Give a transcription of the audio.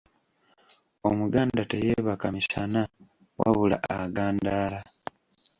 Omuganda teyeebaka misana wabula agandaala.